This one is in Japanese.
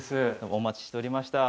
お待ちしておりました